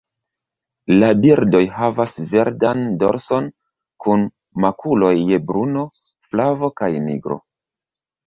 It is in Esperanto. La birdoj havas verdan dorson, kun makuloj je bruno, flavo kaj nigro.